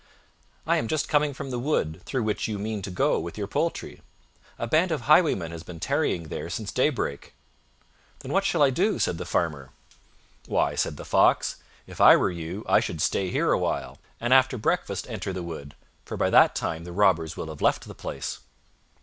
"I am just coming from the wood, through which you mean to go with your poultry. A band of highwaymen has been tarrying there since daybreak." "Then what shall I do?" said the Farmer. "Why," said the Fox, "if I were you I should stay here a while, and after breakfast enter the wood, for by that time the robbers will have left the place."